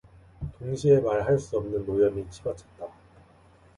동시에 말 할 수 없는 노염이 치받쳤다.